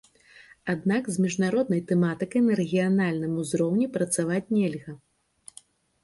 Аднак з міжнароднай тэматыкай на рэгіянальным узроўні працаваць нельга.